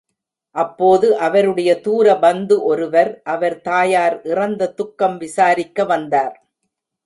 அப்போது அவருடைய தூர பந்து ஒருவர், அவர் தாயார் இறந்த துக்கம் விசாரிக்க வந்தார்.